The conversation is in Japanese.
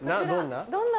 どんな？